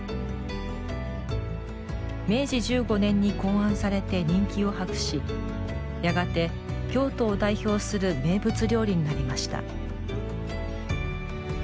明治１５年に考案されて人気を博しやがて京都を代表する名物料理になりました。